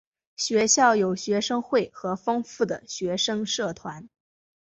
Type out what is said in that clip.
学校有学生会和丰富的学生社团。